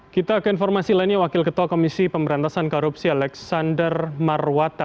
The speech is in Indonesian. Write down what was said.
kita ke informasi lainnya wakil ketua komisi pemberantasan korupsi alexander marwata